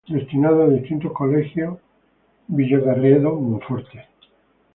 Destinado a distintos colegios, Villacarriedo, Monforte.